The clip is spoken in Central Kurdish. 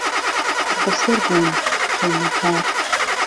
قوڕبه سهر بوون قەوم و کار